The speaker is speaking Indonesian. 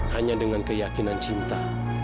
hanya dengan keyakinan cinta